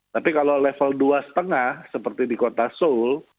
tapi kalau level dua lima seperti di kota seoul